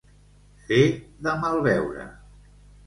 Fer de mal veure.